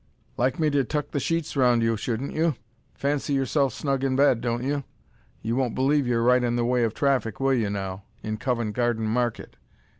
"Like me to tuck the sheets round you, shouldn't you? Fancy yourself snug in bed, don't you? You won't believe you're right in the way of traffic, will you now, in Covent Garden Market?